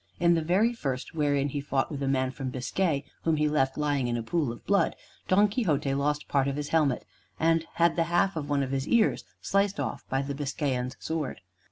In the very first, wherein he fought with a man from Biscay, whom he left lying in a pool of blood, Don Quixote lost part of his helmet, and had the half of one of his ears sliced off by the Biscayan's sword.